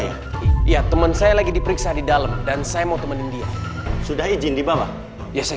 iya iya teman saya lagi diperiksa di dalam dan saya mau temenin dia sudah izin dibawa ya saya